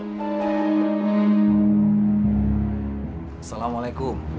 tidak saya pangeran pusumo